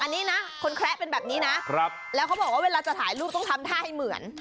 อันนี้นะคนแคระเป็นแบบนี้นะแล้วเขาบอกว่าเวลาจะถ่ายรูปต้องทำท่าให้เหมือน